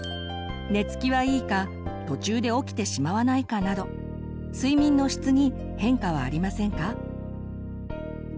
寝つきはいいか途中で起きてしまわないかなど睡眠の質に変化はありませんか？